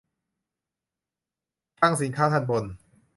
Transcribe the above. คลังสินค้าทัณฑ์บน